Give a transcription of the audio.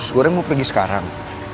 goreng mau pergi sekarang